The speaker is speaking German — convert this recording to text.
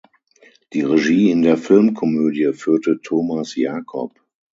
Die Regie in der Filmkomödie führte Thomas Jacob.